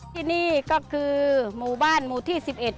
ที่นี่ก็คือหมู่บ้านหมู่ที่๑๑